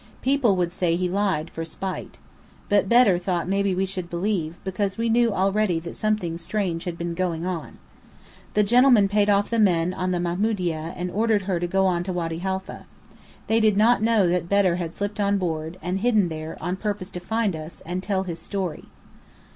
People would say he lied, for spite. But Bedr thought maybe we should believe, because we knew already that something strange had been going on. The gentlemen paid off the men on the Mamoudieh and ordered her to go on to Wady Halfa. They did not know that Bedr had slipped on board, and hidden there, on purpose to find us, and tell his story.